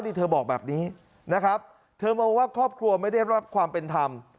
นี่เธอบอกแบบนี้นะครับเธอมองว่าครอบครัวไม่ได้รับความเป็นธรรม